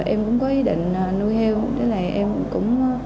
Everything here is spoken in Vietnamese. em cũng có ý định nuôi heo